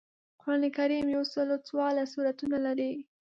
قران کریم یوسل او څوارلس سورتونه لري